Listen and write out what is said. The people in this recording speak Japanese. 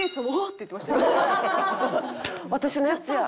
「私のやつや！」。